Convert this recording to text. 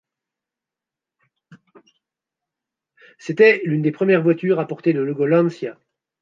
C'était l'une des premières voitures à porter le logo Lancia.